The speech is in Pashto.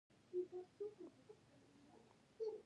په افغانستان کې بادي انرژي شتون لري.